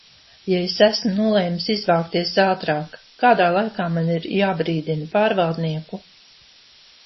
Ja es esmu nolēmis izvākties ātrāk, kādā laikā man ir jābrīdina pārvaldnieku?